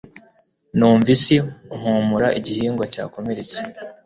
nunva isi, mpumura igihingwa cyakomeretse